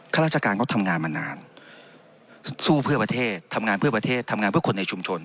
ข้าราชการเขาทำงานมานานสู้เพื่อประเทศทำงานเพื่อประเทศทำงานเพื่อคนในชุมชน